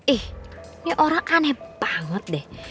eh ini orang aneh banget deh